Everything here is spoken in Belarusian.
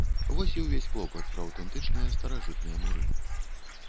Вось і ўвесь клопат пра аўтэнтычныя старажытныя муры.